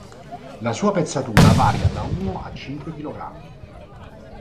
La sua pezzatura varia da uno a cinque chilogrammi.